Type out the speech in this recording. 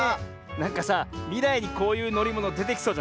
なんかさみらいにこういうのりものでてきそうじゃない？